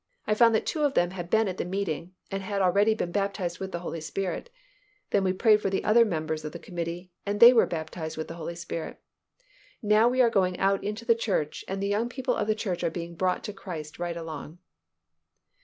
I found that two of them had been at the meeting and had already been baptized with the Holy Spirit. Then we prayed for the other members of the committee and they were baptized with the Holy Spirit. Now we are going out into the church and the young people of the church are being brought to Christ right along."